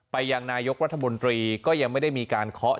ยังนายกรัฐมนตรีก็ยังไม่ได้มีการเคาะ